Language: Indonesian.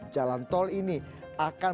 jalan tol ini akan